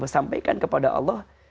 sampaikan kepada allah